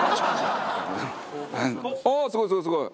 ああすごいすごいすごい！